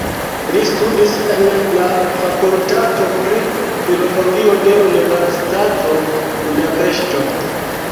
Li studis en la fakultato pri filologio de Universitato Budapeŝto.